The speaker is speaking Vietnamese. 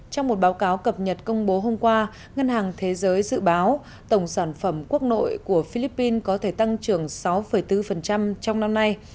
trong một báo cáo cập nhật công bố hôm qua ngân hàng thế giới dự báo tổng sản phẩm quốc nội của philippines có thể tăng trưởng sáu bốn trong năm nay